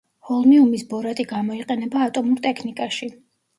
ჰოლმიუმის ბორატი გამოიყენება ატომურ ტექნიკაში.